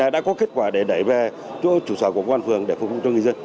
đã có kết quả để đẩy về chủ sở của quân phường để phục vụ cho người dân